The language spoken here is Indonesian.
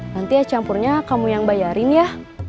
nanti ya campurnya kamu yang bayarin ya